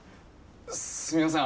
すいません